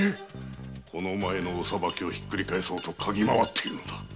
この前のお裁きをひっくり返そうとかぎまわっているのだ。